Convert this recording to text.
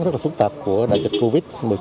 rất là phức tạp của đại dịch covid một mươi chín